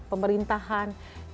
pemerintahan yang mendukung